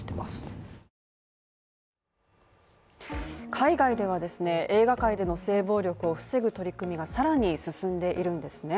海外では映画界での性暴力を防ぐ取り組みが更に進んでいるんですね。